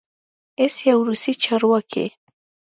هیڅ یو روسي چارواکی